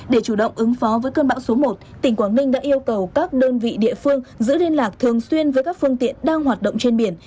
để chủ động ứng phó với cơn bão số một tỉnh quảng ninh đã yêu cầu các đơn vị địa phương giữ liên lạc thường xuyên với các phương tiện đang hoạt động trên biển